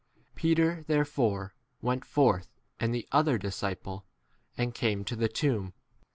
Peter therefore went forth and the other disciple, and 4 came to the tomb.